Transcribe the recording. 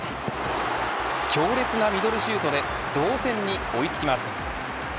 強烈なミドルシュートで同点に追いつきます。